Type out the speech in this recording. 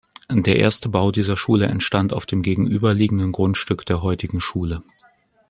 Der erste Bau dieser Schule entstand auf dem gegenüber liegenden Grundstück der heutigen Schule.